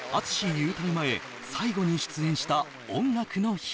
勇退前最後に出演した「音楽の日」